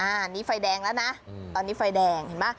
อันนี้ไฟแดงแล้วนะตอนนี้ไฟแดงเห็นไหม